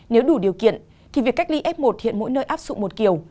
nếu đủ điều kiện thì việc cách ly f một hiện mỗi nơi áp dụng một kiểu